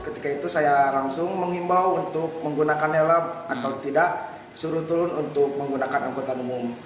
ketika itu saya langsung mengimbau untuk menggunakan helm atau tidak suruh turun untuk menggunakan angkutan umum